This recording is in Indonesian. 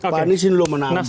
pak anies ini loh menangis